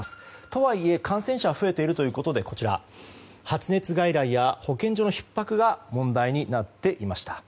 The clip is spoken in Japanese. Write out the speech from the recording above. とはいえ、感染者は増えているということで発熱外来や保健所のひっ迫が問題になっていました。